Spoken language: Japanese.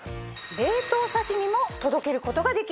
冷凍刺身も届けることができるんです。